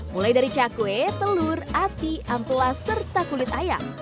mulai dari cakwe telur ati ampela serta kulit ayam